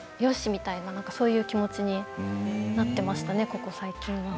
みたいなそういう気持ちになっていましたね、ここ最近は。